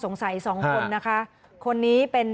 ไม่รู้จริงว่าเกิดอะไรขึ้น